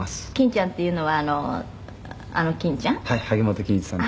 「欽ちゃんっていうのはあの欽ちゃん？」